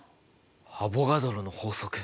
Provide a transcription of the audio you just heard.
アボガドロの法則？